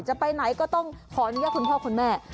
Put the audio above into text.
จะไปไหนก็ต้องขออนุญาตคุณพ่อคุณแม่